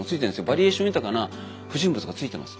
バリエーション豊かな不純物がついてます。